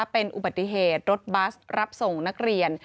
เป็นอุบัติเหตุรถบัสรับส่งนักเรียน